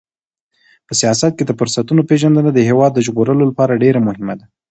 په سیاست کې د فرصتونو پیژندنه د هېواد د ژغورلو لپاره ډېره مهمه ده.